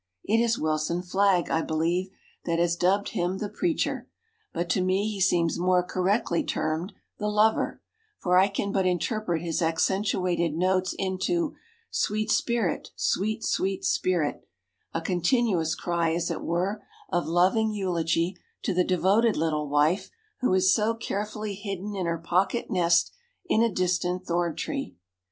It is Wilson Flagg, I believe, that has dubbed him the Preacher, but to me he seems more correctly termed the Lover, for I can but interpret his accentuated notes into "Sweet Spirit, Sweet—Sweet—Spirit," a continuous cry, as it were, of loving eulogy to the devoted little wife who is so carefully hidden in her pocket nest in a distant thorn tree.